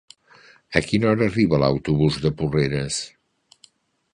A quina hora arriba l'autobús de Porreres?